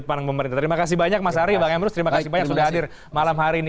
terima kasih banyak sudah hadir malam hari ini